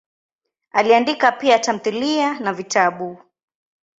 Aliandika pia tamthilia na vitabu.